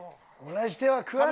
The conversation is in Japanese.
同じ手は食わねえ！